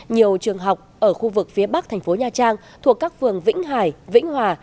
nhiều trường học ở khu vực phía bắc thành phố nha trang thuộc các phường vĩnh hải vĩnh hòa